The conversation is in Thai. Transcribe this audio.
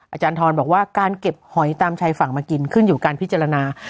อาจารย์ทรบอกว่าการเก็บหอยตามชายฝั่งมากินขึ้นอยู่การพิจารณา